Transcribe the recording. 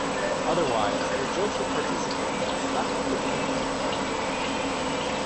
Otherwise, the jilted participant is left to return to Japan alone.